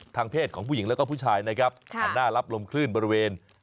ทางเพศของผู้หญิงแล้วก็ผู้ชายนะครับหน้าลับลมขึ้นบริเวณ